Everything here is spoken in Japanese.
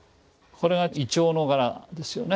これは銀杏の柄ですよね。